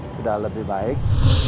sudah lebih baik